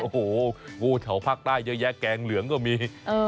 โอ้โหงูแถวภาคใต้เยอะแยะแกงเหลืองก็มี